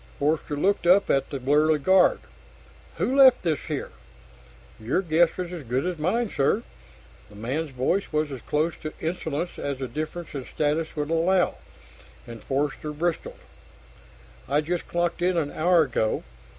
Forster looked up at the burly guard. "Who left this here?" "Your guess is as good as mine, sir." The man's voice was as close to insolence as the difference in status would allow, and Forster bristled. "I just clocked in an hour ago.